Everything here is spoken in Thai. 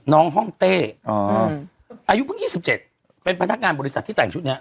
น้องฮ่องเต้อ๋ออายุเพิ่งยี่สิบเจ็ดเป็นพนักงานบริษัทที่แต่งชุดเนี้ย